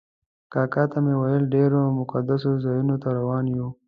کاکا ته مې وویل ډېرو مقدسو ځایونو ته روان یو.